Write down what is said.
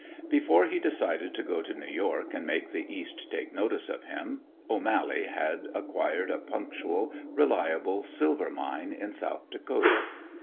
Before he decided to go to New York and make the East take notice of him, O'Mally had acquired a punctual, reliable silver mine in South Dakota.